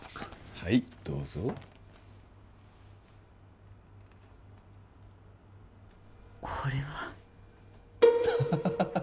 はいどうぞこれはハハハハハ